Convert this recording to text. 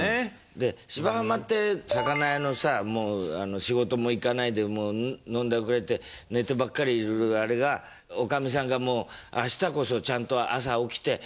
で『芝浜』って魚屋のさもう仕事も行かないで飲んだくれて寝てばっかりいるあれがおかみさんが「明日こそちゃんと朝起きて浜へ行って」